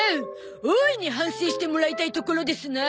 大いに反省してもらいたいところですな。